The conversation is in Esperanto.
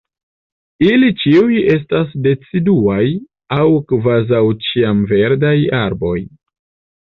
Ili ĉiuj estas deciduaj aŭ kvazaŭ-ĉiamverdaj arboj.